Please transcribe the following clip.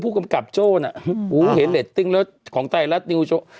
ผู้กำกับโจ้น่ะอืมอู๋เห็นและของใต้รัฐนิวโชว์อ๋อ